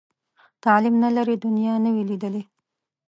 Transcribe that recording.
تعلیم نه لري، دنیا نه وي لیدلې.